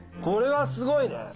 これはすごいね。